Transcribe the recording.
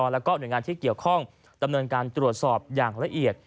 แล้วก็หน่วยงานที่เกี่ยวข้องดำเนินการตรวจสอบอย่างละเอียด